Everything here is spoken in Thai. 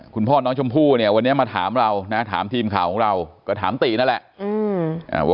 คุณพ่อน้องชมพู่เนี่ยวันนี้มาถามเรานะถามทีมข่าวของเราก็ถามตินั่นแหละ